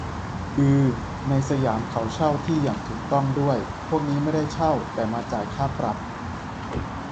อือ ในสยามเขาเช่าที่อย่างถูกต้องด้วย พวกนี้ไม่ได้เช่าแต่มาจ่ายค่าปรับ